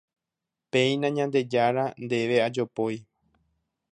Péina Ñandejára Ndéve ajopói